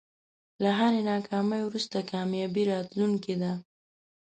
له هری ناکامۍ وروسته کامیابي راتلونکی ده.